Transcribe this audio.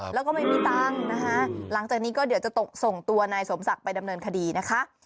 แล้วก็ไม่มีตังค์นะคะหลังจากนี้ก็เดี๋ยวจะส่งตัวนายสมศักดิ์ไปดำเนินคดีนะคะ